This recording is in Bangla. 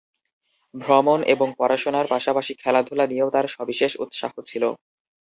ভ্রমণ এবং পড়াশোনার পাশাপাশি খেলাধূলা নিয়েও তার সবিশেষ উৎসাহ ছিল।